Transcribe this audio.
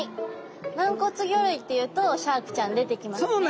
軟骨魚類っていうとシャークちゃん出てきますね。